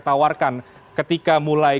tawarkan ketika mulai